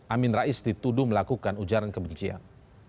amin rais dituduh melakukan ujaran kebencian